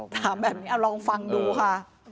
ถามแบบนี้เอาลองฟังดูค่ะ